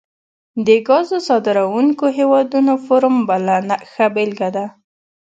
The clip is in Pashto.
د ګازو صادرونکو هیوادونو فورم بله ښه بیلګه ده